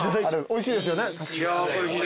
おいしいですよね。